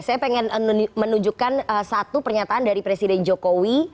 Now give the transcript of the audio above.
saya ingin menunjukkan satu pernyataan dari presiden jokowi